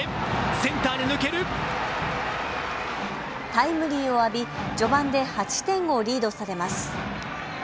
タイムリーを浴び序盤で８点をリードされます。